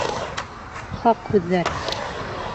Хаҡ һүҙҙәр!